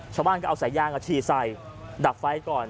ชาวบ้านก็เอาสายยางฉี่ใส่ดับไฟก่อน